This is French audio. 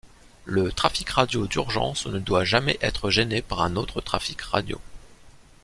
Le trafic radio d'urgence ne doit jamais être gêné par un autre trafic radio.